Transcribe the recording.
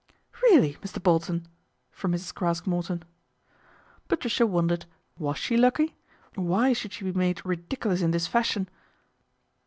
"Really, Mr. Bolton!" from Mrs. Craske Morton. Patricia wondered was she lucky? Why should she be made ridiculous in this fashion?